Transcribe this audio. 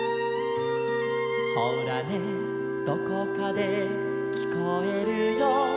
「ほらねどこかできこえるよ」